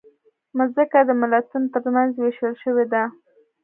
مځکه د ملتونو ترمنځ وېشل شوې ده.